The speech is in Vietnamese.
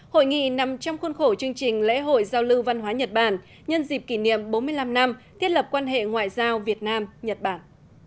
hội nghị nằm trong khuôn khổ chương trình lễ hội giao lưu văn hóa nhật bản nhân dịp kỷ niệm bốn mươi năm năm thiết lập quan hệ ngoại giao việt nam nhật bản